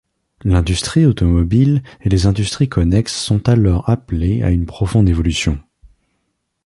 L'industrie automobile et les industries connexes sont alors appelées à une profonde évolution.